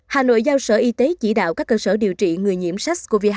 hà nội giao sở y tế chỉ đạo các cơ sở điều trị người nhiễm sars cov hai